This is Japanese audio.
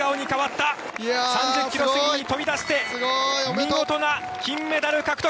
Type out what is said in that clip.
３０ｋｍ過ぎに飛び出して見事な金メダル獲得！